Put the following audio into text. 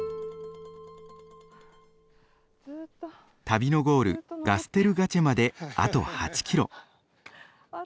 旅のゴールガステルガチェまであと８キロ。